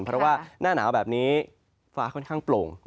เพราะว่าหน้าหนาวแบบนี้ฟ้าค่อนข้างโปร่ง